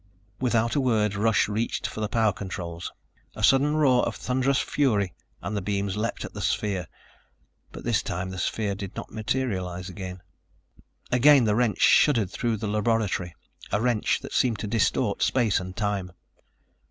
Without a word, Russ reached for the power controls. A sudden roar of thunderous fury and the beams leaped at the sphere ... but this time the sphere did not materialize again. Again the wrench shuddered through the laboratory, a wrench that seemed to distort space and time.